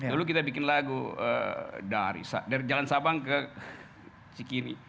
lalu kita bikin lagu dari jalan sabang ke cikini